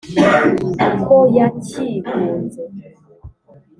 Uko yakigunze